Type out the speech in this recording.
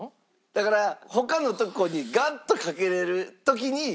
だから他のとこにガッと賭けられる時に。